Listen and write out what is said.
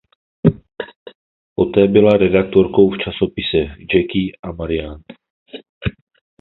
Poté byla redaktorkou v časopisech "Jackie" a "Marianne".